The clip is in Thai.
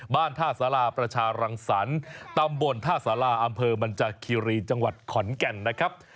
ท่าสาราประชารังสรรค์ตำบลท่าสาราอำเภอมันจากคีรีจังหวัดขอนแก่นนะครับ